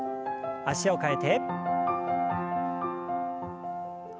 脚を替えて。